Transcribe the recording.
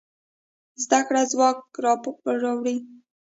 زده کړه ځواک راوړي.